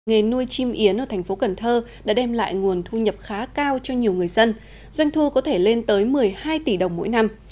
nghề nuôi chim yến ở thành phố cần thơ đã đem lại nguồn thu nhập khá cao cho nhiều người dân doanh thu có thể lên tới một mươi hai tỷ đồng mỗi năm